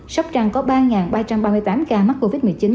sóc trăng có ba ba trăm ba mươi tám ca mắc covid một mươi chín